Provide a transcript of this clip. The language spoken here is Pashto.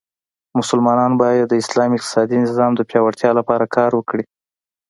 مسلمانان باید د اسلام اقتصادې نظام د پیاوړتیا لپاره کار وکړي.